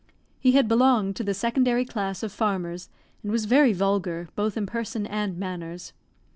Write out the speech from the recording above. He had belonged to the secondary class of farmers, and was very vulgar, both in person and manners.